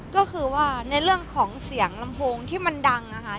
ก็คือว่าในเรื่องของเสียงลำโพงที่มันดังนะคะ